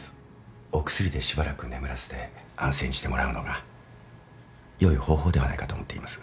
お薬でしばらく眠らせて安静にしてもらうのが良い方法ではないかと思っています。